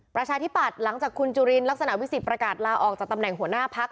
ประชาธิปัตย์หลังจากคุณจุลินลักษณะวิสิทธิประกาศลาออกจากตำแหน่งหัวหน้าพัก